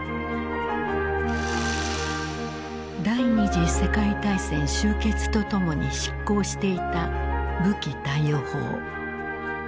第二次世界大戦終結とともに失効していた武器貸与法。